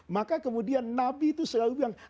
maka kemudian nabi itu selalu bilang